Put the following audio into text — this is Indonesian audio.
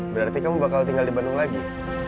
berarti kamu bakal tinggal di bandung lagi